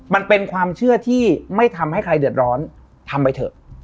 มันเป็นความเชื่อที่ไม่ทำให้ใครเดือดร้อนทำไปเถอะ